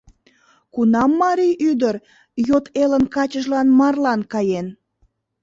Кунам марий ӱдыр йот элын качыжлан марлан каен?